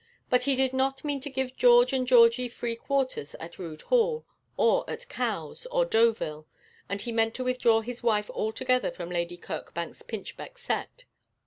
But he did not mean to give George and Georgie free quarters at Rood Hall, or at Cowes, or Deauville; and he meant to withdraw his wife altogether from Lady Kirkbank's pinchbeck set.